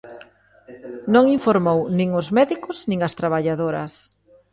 Non informou nin aos médicos nin ás traballadoras.